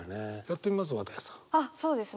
やってみます？